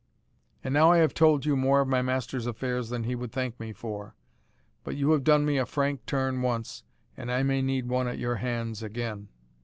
And now I have told you more of my master's affairs than he would thank me for; but you have done me a frank turn once, and I may need one at your hands again."